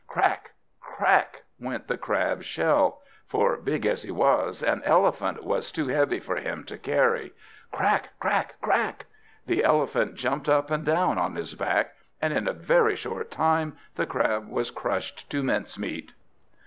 Crack, crack! went the Crab's shell; for, big as he was, an elephant was too heavy for him to carry. Crack, crack, crack! The Elephant jumped up and down on his back, and in a very short time the Crab was crushed to mincemeat.